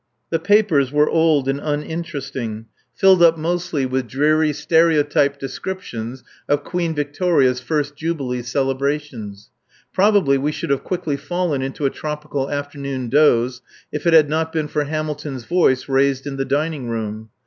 The papers were old and uninteresting, filled up mostly with dreary stereotyped descriptions of Queen Victoria's first jubilee celebrations. Probably we should have quickly fallen into a tropical afternoon doze if it had not been for Hamilton's voice raised in the dining room.